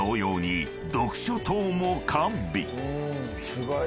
すごい。